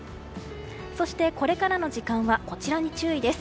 そして、これからの時間はこちらの注意です。